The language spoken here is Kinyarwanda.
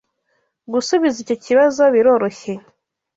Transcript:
Gusubiza icyo kibazo biroroshye.